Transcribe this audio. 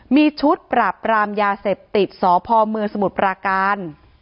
มีชุดปราบปรามยาเสพติดสพเมืองสมุทรปราการ